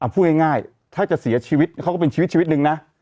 พูดง่ายถ้าจะเสียชีวิตเขาก็เป็นชีวิตหนึ่งนะ